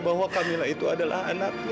bahwa kamila itu adalah anak